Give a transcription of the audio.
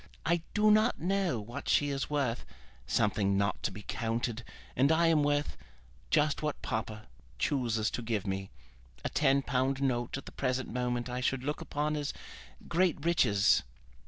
I do not know what she is worth, something not to be counted; and I am worth, just what papa chooses to give me. A ten pound note at the present moment I should look upon as great riches."